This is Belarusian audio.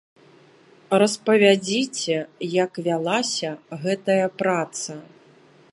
Распавядзіце, як вялася гэтая праца.